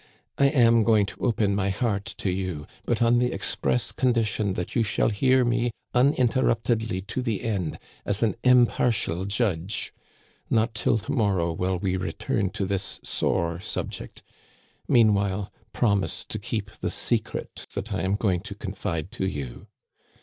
I am going to open my heart to you, but on the express condition that you shall hear me uninterruptedly to the end, as an impartial judge. Not till to morrow will we return to this sore subject. Meanwhile, promise to keep the secret that I am going to confide to you."